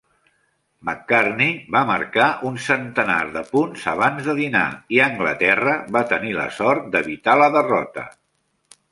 Macartney va marcar un centenar de punts abans de dinar i Anglaterra va tenir la sort d'evitar la derrota.